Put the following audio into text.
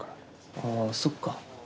あっそっか。